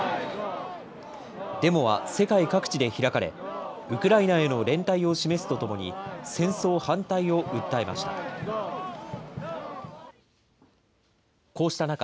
デモは世界各地で開かれ、ウクライナへの連帯を示すとともに、戦争反対を訴えました。